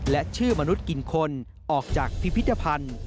และชื่อมนุษย์กินคนออกจากพิพิธภัณฑ์